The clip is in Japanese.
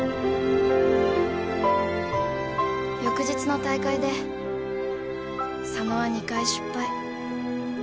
翌日の大会で佐野は２回失敗。